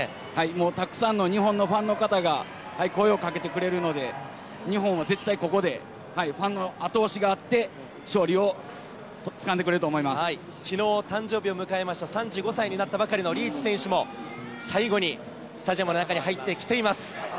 もうたくさんの日本のファンの方が声をかけてくれるので、日本は絶対ここでファンの後押しがあって、勝利をつかんでくれるきのう、誕生日を迎えました３５歳になったばかりのリーチ選手も、最後にスタジアムの中に入ってきています。